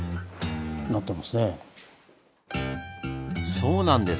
そうなんです。